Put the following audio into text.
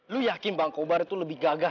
lu yakin bang kobar itu lebih gagah